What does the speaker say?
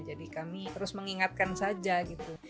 jadi kami terus mengingatkan saja gitu